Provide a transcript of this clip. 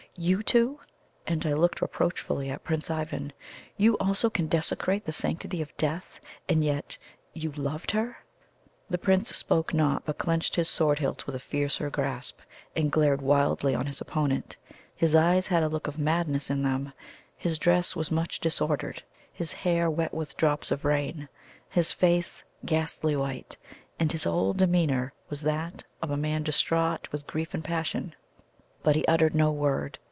You, too!" and I looked reproachfully at Prince Ivan; "you also can desecrate the sanctity of death, and yet you LOVED her!" The Prince spoke not, but clenched his sword hilt with a fiercer grasp, and glared wildly on his opponent. His eyes had a look of madness in them his dress was much disordered his hair wet with drops of rain his face ghastly white, and his whole demeanour was that of a man distraught with grief and passion. But he uttered no word.